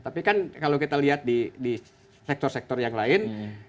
tapi kan kalau kita lihat di sektor sektor yang lain